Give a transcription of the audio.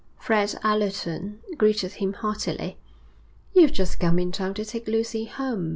Fred Allerton greeted him heartily. 'You've just come in time to take Lucy home.